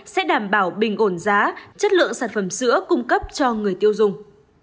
sẽ đảm bảo bình ổn giá chất lượng sản phẩm sữa cung cấp cho người tiêu dùng